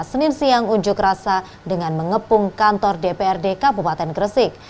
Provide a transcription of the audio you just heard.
senin siang unjuk rasa dengan mengepung kantor dprd kabupaten gresik